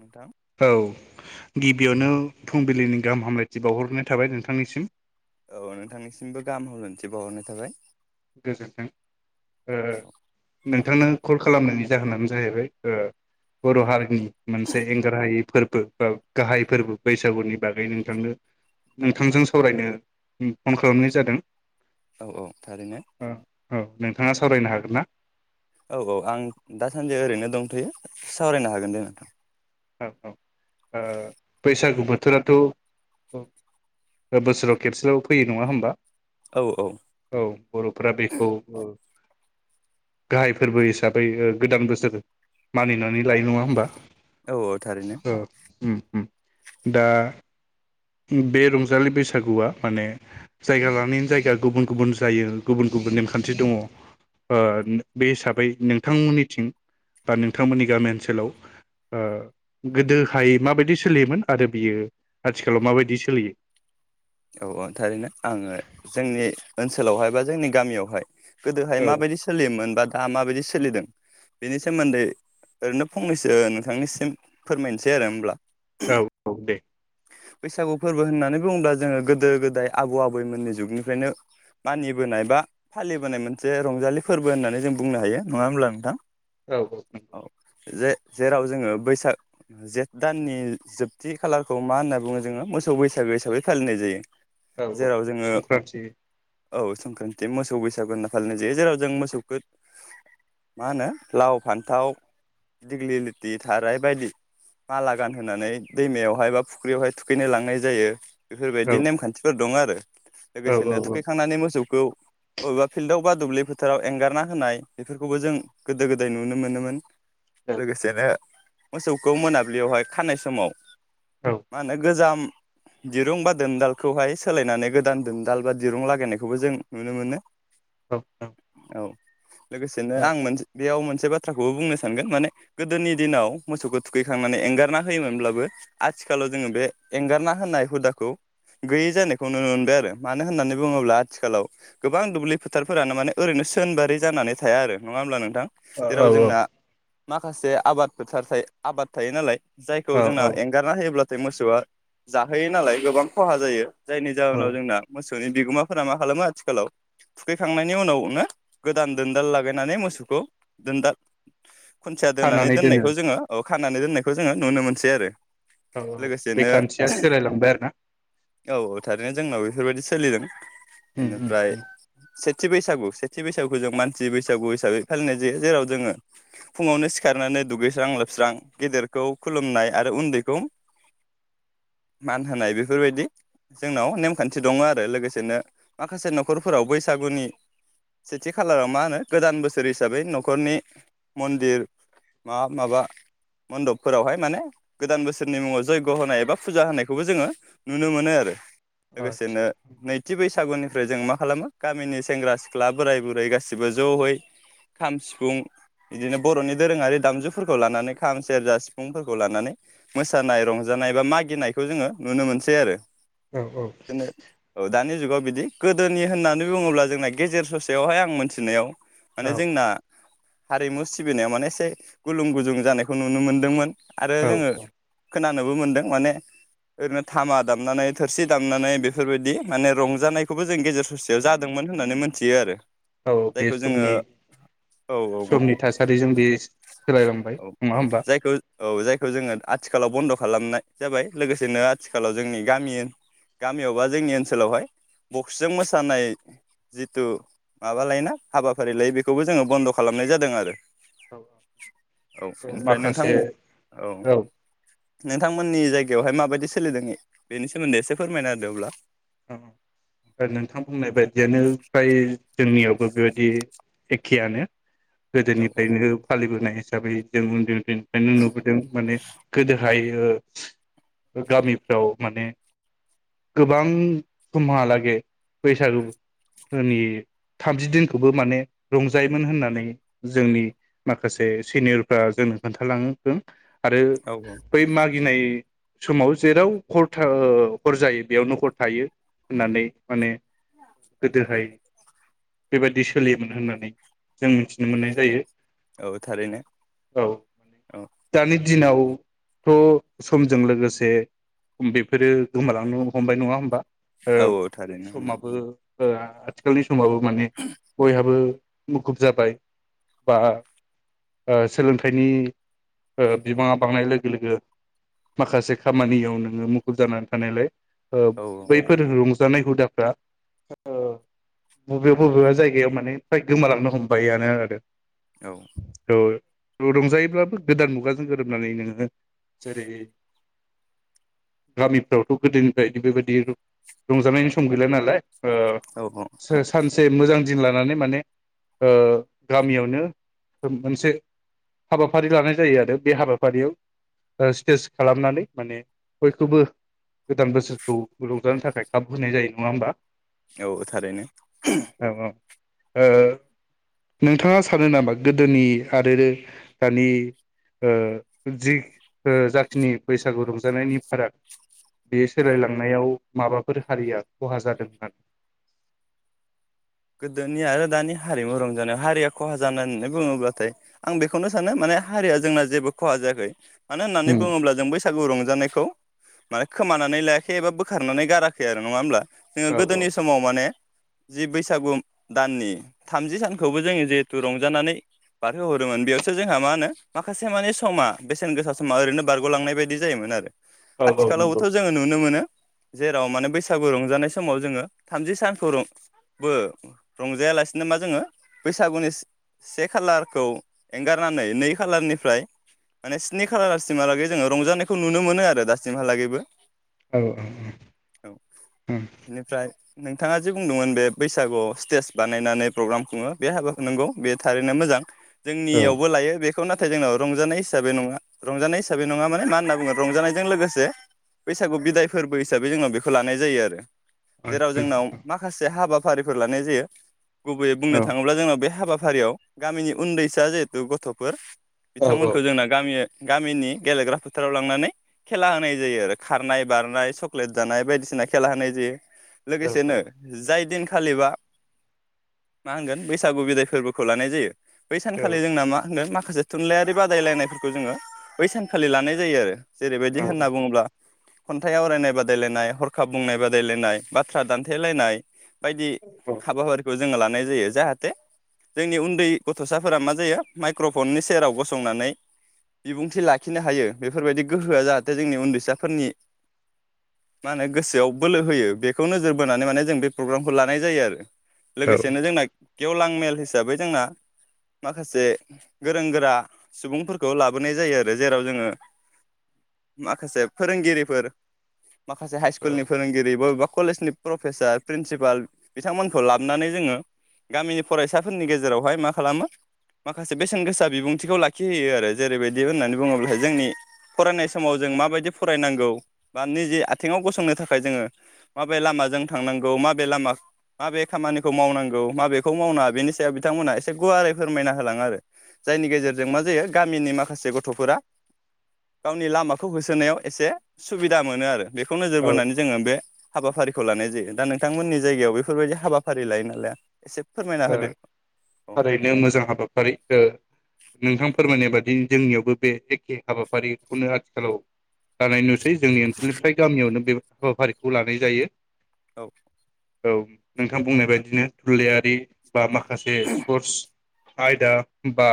नोंथां औ गिबियावनो फुंबिलिनि गाहाम हामलायथि बावहरगोनाय थाबाय नोंथांनिसिम औ नोंथांनिसिमबो गाहाम हामलायथि बाउहरनाय थाबाय गोजोनथों ओ नों औ नोंथांनो कल खालामनायनि जाहोनानो जाहैबाय ओ बर' हारिनि मोनसे एंगार हायै फोर बो बा गाहाय फोरबो बैसागुनि बागै नोंथांनो नोंथांजों सावरायनो फन खालामनाय जादों औ औ थारैनो अ औ नोंथाङा सावरायनो हागोन ना? औ औ आं दासान्दि ओरैनो दंथ'यो सावरायनो हागोन दे नोंथां औ औ ओ बैसागु बोथोराथ' बोसोराव खेबसेल' फैयो नङा होमबा औ औ औ बर'फ्रा बेखौ ओ गाहाय फोरबो हिसाबै ओ गोदान बोसोर मानिनानै लायो नङा होमबा औ औ थारैनो ओम ओम दा बे रंजालि बैसागुआ माने जायगा लानायनि जायगा गुबुन गुबुन जायो गुबुन गुबुन नेमखान्थि दङ ओ बे हिसाबै नोंथांमोननिथिं बा नोंथांमोननि गामि ओनसोलाव ओ गोदोहायै माबायदि सोलियोमोन आरो बियो आथिखालाव माबायदि सोलियो? औ थारैनो आङो जोंनि ओनसोल सोलावहाय बा जोंनि गामियावहाय गोदोहाय औ माबायदि सोलियोमोन बा दा माबायदि सो सोलिदों बेनि सोमोन्दै ओरैनो फंनैसो नोंथांनिसिम फोरमायनोसै आरो होमब्ला औ औ दे बैसागु फोरबो होननानै बुङोबा जोङो गोदो गोदाय आबौ आबैमोननि जुगनिफ्रायनो मानिबोनाय बा फालिबोनाय मोनसे रंजालि फोरबो होननानै जों बुंनो हायो नङा होमब्ला नोंथां औ औ ओं जे जेराव जोङो बैसाग जेठ दाननि जोबथि खालारखौ मा होनना बुङो जोङो मोसौ बैसागो हिसाबै फालिनाय जायो औ औ जेराव जोङो संक्रान्ति औ संक्रान्ति मोसौ बैसागु होनना फालिनाय जायो जेराव जों मोसौखौ मा होनो लाव फान्थाव दिग्लि लिथि थाराय बायदि माला गानहोनानै दैमायावहाय बा फुख्रियावहाय थुखैनो लांनाय जायो औ बेफोरबायदि नेमखान्थिफोर दं आरो औ औ लोगोसेनो औ थुखैखांनानै मोसौ खौ बबेबा फिल्डआव बा दुब्लि फोथाराव एंगारना होनाय बेफोरखौबो जों गोदो गोदाय नुनो मोनोमोन लोगोसेनो मोसौखौ मोनाबिलियावहाय खानाय समाव मा होनो गोजाम दिरुं बा दोनदालखौहाय सोलायनानै गोदान दोनदाल बा दिरुं लागायनायखौबो जों नुनो मोनो औ औ औ लोगोसेनो आं मोनसे बेयाव मोनसे मोनसे बाथ्राखौबो बुंनो सानगोन माने गोदोनि दिनाव मोसौखौ थुखैखांनानै एंगारना होयोमोनब्लाबो आथिखालाव जोङो बे एंगारना होनाय हुदाखौ गैयै जानायखौ नुनो मोनबाय आरो मानो होननानै बुङोब्ला आथिखालाव गोबां दुब्लि फोथारफोरानो माने ओरैनो सोनबारि जानानै थाया आरो नङा होमब्ला नोंथां जेराव औ जोंना माखासे आबाद फोथार थायो आबाद थायो नालाय औ जायखौ जोंना एंगारना होयोब्ला मोसौआ जा जाहैयो नालाय गोबां खहा जायो जायनि औ जाहोनाव जोंना मोसौ मोसौनि बिगोमाफोरा मा खालामो आथिखालाव थुखैखांनायनि उनावनो गोदान दोनदाल लागायनानै मोसौखौ दोनदाल खुन्थिया दोननानै खानानै दोनो दोननायखौ जोङो औ खानानै दोननायखौ जोङो नुनो मोनसै आरो औ बे लोगोसेनो खान्थिया सोलायलांबाय आरो ना औ औ थारैनो जोंनाव बेफोरबायदि सोलिदों उम उम बेनिफ्राय उम सेथि बैसागु सेथि बैसागुखौ जों मानसि बैसागु हिसाबै फालिनाय जायो जेराव जोङो फुङावनो सिखारनानै दुगैस्रां लोबस्रां गेदेरखौ खुलुमनाय आरो उन्दैखौ मान होनाय बेफोरबायदि जोंनाव नेमखान्थि दङ आरो लोगोसेनो माखासे न'खरफोराव बैसागुनि सेथि खालाराव मा होनो गोदान बोसोर हिसाबै न'खरनि मन्दिर माबा माबा मन्दपफोरावहाय माने गोदान बोसोरनि मुङाव जयग' होनाय एबा फुजा होनायखौबो जोङो नुनो मोनो आरो आदसा लोगोसेनो नैथि बैसागुनिफ्राय निफ्राय जों मा खालामो गामिनि सेंग्रा सिख्ला बोराय बुरै गासिबो ज'है खाम सिफुं बिदिनो बर'नि दोरोङारि दामजुफोरखौ लानानै खाम सेरजा सिफुंफोरखौ लानानै मोसानाय रंजानाय बा मा गिनायखौ जोङो नुनो मोनसै आरो औ औ जोंनो औ दानि जुगाव बिदि गोदोनि होननानै बुङोब्ला जोंना गेजेर ससेयावहाय आं मोनथिनायाव माने जोंना हारिमु सिबिनायाव माने एसे गुलुं गुजुं जानायखौ नुनो मोनदोंमोन आरो औ जोङो खोनानोबो मोन्दों माने ओरैनो थामा दामनानै थोरसि दामनानै बेफोरबायदि माने रंजानायखौबो जों गेजेर ससेयाव जादोंमोन होननानै मोनथियो आरो औ बे जायखौ जोङो समनि औ औ समनि थासारिजों बे सोलायलांबाय औ नङा होमबा जायखौ औ जायखौ जोङो आथिखालाव बन्द' खालामनाय जाबाय लोगोसेनो आथिखालाव जोंनि गामि गामियाव बा जोंनि ओनसोलावहाय बक्सजों मोसानाय जिथु माबा लायोना हाबाफारि लायो बेखौबो जोङो बन्द' खालामनाय जादों आरो औ बेनिफ्राय नोंथां औ नोंथांमोननि जायग बेवहाय माबायदि सोलिदों बेनि सोमोन्दै एसे फोरमायना होदों अब्ला नोंथां बुंनाय बायदियानो फ्राय जोंनियावबो बेबायदि एखेयानो औ गोदोनिफ्रायनो फालिबोनाय दा बै जों उन्दै निफ्रायनो नुबोदों माने गोदोहाय ओ गामिफ्राव माने गोबां समहालागै बैसागुनि थामजि दिनखौबो माने रंजायोमोन होननानै जोंनि माखासे सिनियरफ्रा जोंनो खोन्थालांदों आरो औ बै मागि गिनाय समाव जेराव हर था हर जायो बेयावनो हर थायो होनानै माने गोदोहाय बेबायदि सोलियोमोन होननानै जों मिथिनो मोननाय जायो औ थारैनो औ औ दानि दिनावथ' समजों लोगोसे बेफोरो गोमालांनो हमबाय नङा होमबा ओ औ औ थारैनो नोंथां समाबो ओ आथिखालनि समावबो माने बयहाबो मुखुब जाबाय बा ओ सोलोंथाइनि ओ बिबाङा बांनाय लोगो लोगो माखासे खामानियाव नोङो मुखुब जानानै थानायलाय औ औ फोर रंजानाय हुदाफ्रा ओ बबेबा बबेबा जायगायाव माने फ्राय गोमालांनो हमबायानो आरो औ ओ रंजायोब्लाबो गोदान मुगाजों गोरोबनानै नोङो जेरै गामिफ्रावथ' गोदोनिफ्राय बेबायदि रंजानायनि सम गैला नालाय ओ औ से सासो से मोजां दिन लानानै माने ओ गामियावनो मोनसे हाबाफारि लानाय जायो आरो बे हाबाफारियाव ओ स्टेज खालामनानै माने बयखौबो गोदान बोसोरखौ रंजानो थाखाय खाबु होनाय जायो नङा होमबा औ थारैनो औ औ ओ [unintelligible] नोंथाङा सानो नामा गोदोनि आरो दानि ओ जि ओ जाखिनि बैसागु रंजानायनि फाराग बे औ सोलायलांनायाव माबाफोर हारिया खहा जादों होननानै गोदोनि आरो दानि हारिमु रंजानाय हारिया खहा जानो होननानै बुङोब्लाथाय आं बेखौनो सानो माने हारिया जोंना जेबो खहा जायाखै मानो होननानै उम बुङोब्ला जों बै सागु रंजानायखौ माने खोमानानै लायाखै एबा बोखारनानै गाराखै आरो नङा होमब्ला जोङो औ औ गोदोनि समाव माने जि बै सागु दाननि थामजि सानखौबो जोङो जिहेथु रंजानानै बारहोहरोमोन बेयावसो जोंहा मा होनो माखासे माने समा बेसेन गोसा समा ओरैनो बारग'लांनाय बायदि जायोमोन आरो औ औ नंगौ आथिखालावबोथ' जोङो नुनो मोनो जेराव माने बैसागु रंजानाय समाव जोङो थामजि सानखौ रं बो रंजायालासिनो मा जोङो बैसागुनि से खालारखौ एंगारनानै नै खालारनिफ्राय माने स्नि खालारसिमहालागै जोङो रंजानायखौ नुनो मोनो आरो दासिमहालागैबो औ औ औ बेनिफ्राय नोंथाङा जे बुंदोंमोन बे बैसागुआव स्टेज बानायनानै प्रग्राम खुङो बे हाबाखौनंगौ बे थारैनो मोजां औ जोंनियावबो लायो बे बेखौ नाथाय जोंनाव रंजानाय हिसाबै नङा रंजानाय हिसाबै नङा माने मा होनना बुङो रंजानायजों लोगोसे बैसागु बिदाय फोरबो हिसाबै जोंनाव बेखौ लानाय जायो आरो जेराव आतसा जोंनाव माखासे हाबा फारिफोर लानाय जायो गुबैयै बुंनो औ थाङोब्ला जोंनाव बे हाबा फारियाव गामिनि उनदैसा जिहेथु गथ'फोर औ औ बिथांमोनखौ जोंना गामि गामिनि गेलेग्रा फोथाराव लांनानै खेला होनाय जायो आरो खारनाय बारनाय चक्लेट जानाय बायदिसिना खेला होनाय जायो औ लोगोसेनो जाय खालिबा मा होनगोन बैसागु बिदाय फोरबोखौ लानाय जायो बै औ सानखालि जोंना मा होनगोन मा खासे थुनलाइयारि बादायलायनायफोरखौ जोङो बै सानखालि लानाय जायो आरो जेरैबायदि होनना बुङोब्ला खन्थाइ आवरायनाय बादायलायनाय हरखाब बुंनाय बादायलायनाय बाथ्रा दान्थेलायनाय बायदि हाबाारिखौ जों जों लानाय जायो जाहाथे जोंनि उन्दै गथ'साफोरा मा जायो माइक्र'फननि सेराव गसंनानै बिबुंथि लाखिनो हायो बेफोरबायदि गोहोआ जाहाथे जोंनि उन्दैसाफोरनि मा होनो गोसोआव बोलो होयो बेखौ नोजोर बोनानै माने जों बे प्रग्रामखौ लानाय जायो आरो लोगोसेनो जोंना गेवलां मेल हिसाबै जोंना माखासे गोरों गोरा सुबुंफोरखौ लाबोनाय जायो आरो जेराव जोङो माखासे फोरोंगिरिफोर माखासे हाइ स्कुलनि फोरोंगिरि बबेबा कलेज नि प्रफेसार प्रिनसिपाल बिथांमोनखौ लाबोनानै जोङो गामिनि फरायसाफोरनि गेजेरावहाय मा खालामो माखासे बेसेन गोसा बिबुंथिखौ लाखिहोयो आरो जेरैबायदि होननानै बुङोब्लाहाय जोंनि फरायनाय समाव जों माबायदि फरायनांगौ बा निजे आथिङाव गसंनो थाखाय जोङो माबै लामाजों थांनांगौ माबे लामा माबे खामानिखौ मावनांगौ माबेखौ मावनाङा बेनि सायाव बिथांमोनहा एसे गुवारै फोरमायना होलाङो आरो जायनि गेजेरजों मा जायो गामिनि मा माखासे गथ'फोरा गावनि लामाखौ होसोनायाव एसे सुबिदा मोनो आरो बेखौ नोजोर औ ओ बोनानै जोङो बे हाबाफारि खौ लानाय जायो दा नों बिथांमोननि जायगायाव बेफोरबायदि हाबाफारि लायो ना लाया ओ थारैनो मोजां हाबाफारि ओ नोंथां फोरमायनाय बादि बि जोंनियावबो बे एखे हाबाफारिखौनो आथिखालाव लानाय नुसै जोंनि ओनसोलनिफ्राय गामियावनो बे हाबाफारिखौ लानाय जायो औ औ नोंथां बुंनाय बायदिनो थुनलाइयारि बा माखासे स्पर्टस आयदा बा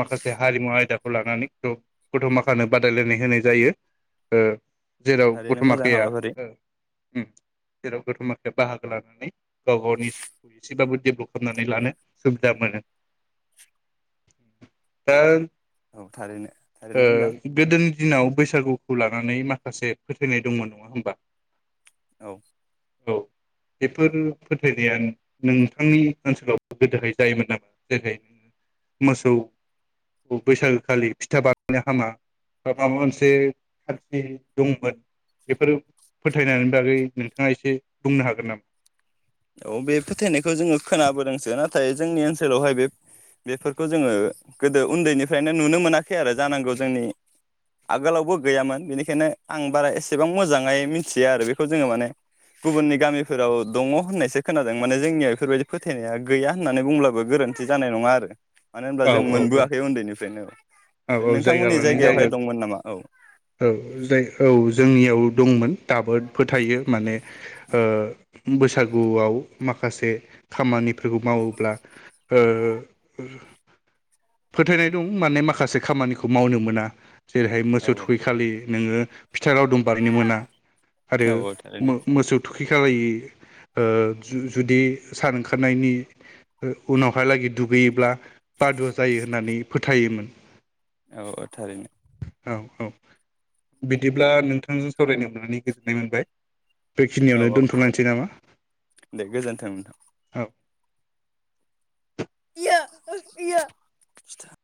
माखासे हारिमु आयदाखौ लानानै गथ' माखानो बादायलायनाय होनाय जायो ओ जेराव थारैनो मोजां गथ'माखाया हाबाफारि ओ ओम जेराव गथ' माथाया बाहागो लानानै गाव गावनि एसे- एसेबाबो डेभलप खालामनानै लानो सुबिदा मोनो दा औ थारैनो ओ थारैनो मोजां गोदोनि दिनाव बैसागुखौ लानानै माखासे फोथायनाय दंमोन नङा होमबा औ औ बेफोर फोथायनाया नोंथांनि ओनसोलाव गोदोहाय जायोमोन नामा जेरैहाय मोसौ बैसागोखालि फिथा बानायनो हामा बा माबा मोनसे [unintelligible] दंमोन बेफोर फोथायनायनि बागै नोंथाङा एसे बुंनो हागोन नामा? औ बे फोथायनायखौ जोङो खोनाबोदोंसो नाथाय जोंनि ओनसोलावहाय बे बेफोरखौ जोङो गोदो उन्दैनिफ्रायनो नुनो मोनाखै आरो जानांगौ जोंनि आगोलावबो गैयामोन बेनिखायनो आं बारा एसेबां मोजाङै मिथिया आरो बेखौ जोङो माने गुबुननि गामिफोराव दङ होननायसो खोनादों माने जोंनियाव बेफोरबायदि फोथायनाया गैया होननानै बुंब्लाबो गोरोन्थि जानाय नङा आरो मानो होनब्ला औ जों औ औ मोनबोआखै उन्दैनिफ्रायनो औ औ ओमफ्राय औ जायगा नोंथांमोननि लानाय जायगा जायगायावहाय दंमोन नामा औ औ जा औ जोंनियाव दंमोन दाबो फोथायो माने ओ बैसागुआव माखासे खामानिफोरखौ मावोब्ला ओ फोथायनाय दं माने माखासे खामानिखौ मावनो मोना जेरैहाय औ मोसौ थुखै खालि नोङो फिथा लावदुम बानायनो मोना आरो औ औ थारैनो मो- मोसौ थुखै [unintelligible] ओ जुदि सान ओंखारनायनि ओ उनावहालागै दुगैयोब्ला बादुवा जायो होननानै फोथायोमोन औ औ थारैनो औ औ बिदिब्ला नोंथांजों सावरायनो मोननानै गोजोननाय मोनबाय औ बेखिनियावनो औ दोनथ'लायनोसै नामा दे गोजोन्थों औ [unintelligible] यो